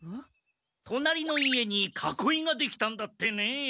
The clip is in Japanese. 「となりのいえにかこいができたんだってねえ」。